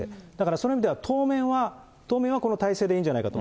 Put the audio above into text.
そういう意味では、当面は、この体制でいいんじゃないかと。